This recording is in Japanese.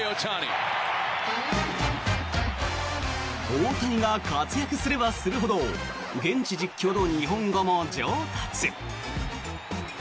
大谷が活躍すればするほど現地実況の日本語も上達。